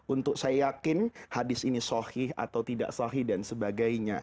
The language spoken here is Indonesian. untuk saya yakin hadis ini sohih atau tidak sohih dan sebagainya